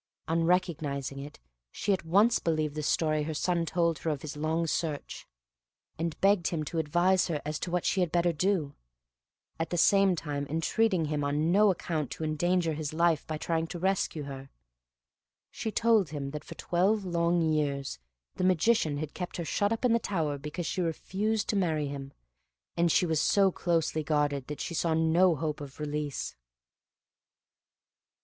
On recognizing it, she at once believed the story her son told her of his long search, and begged him to advise her as to what she had better do; at the same time entreating him on no account to endanger his life by trying to rescue her. She told him that for twelve long years the Magician had kept her shut up in the tower because she refused to marry him, and she was so closely guarded that she saw no hope of release.